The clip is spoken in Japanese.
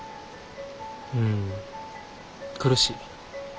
うん苦しい。